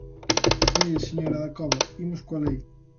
Mire, señor Dacova, imos coa lei.